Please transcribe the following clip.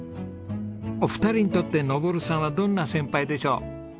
お二人にとって昇さんはどんな先輩でしょう？